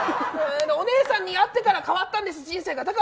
お姉さんに会ってから変わったんです、人生が。